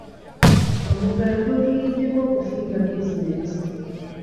Omuggalo guviiriddeko okufiirwa bizinensi.